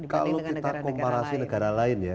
kalau kita komparasi negara lain ya